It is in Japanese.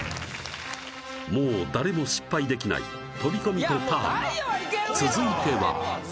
もう誰も失敗できない飛び込みとターン続いては・